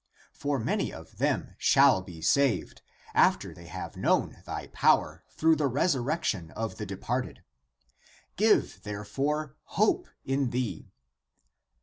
For many of them shall be saved, after they have known thy power through the resurrection of the departed. Give, therefore, hope in thee!